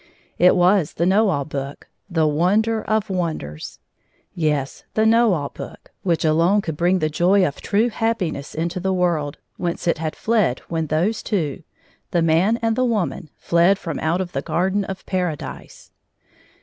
It was the Know All Book; the wonder of wonders ! Yes; theKnow AU Book, which alone could bring the joy of true happiness into the world, whence it had fled when those two — the man and the woman — fled from out the Garden of Paradise.